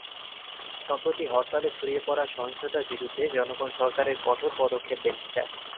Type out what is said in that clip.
সম্প্রতি হরতালে ছড়িয়ে পড়া সহিংসতার বিরুদ্ধে জনগণ সরকারের কঠোর পদক্ষেপ দেখতে চায়।